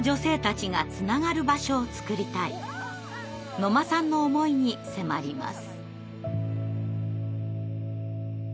野間さんの思いに迫ります。